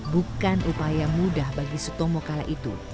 bukan upaya mudah bagi sutomo kala itu